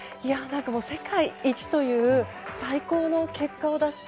世界一という最高の結果を出して。